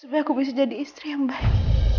supaya aku bisa jadi istri yang baik